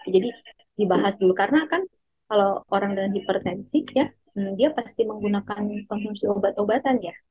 jadi dibahas dulu karena kan kalau orang dengan hipertensi ya dia pasti menggunakan konsumsi obat obatan ya